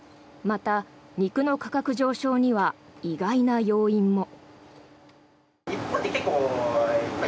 また、肉の価格上昇には意外な要因も。